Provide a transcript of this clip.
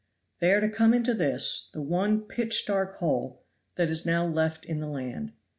They are to come into this, the one pitch dark hole that is now left in the land.